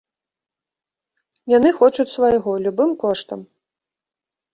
Яны хочуць свайго, любым коштам.